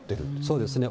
そうですね。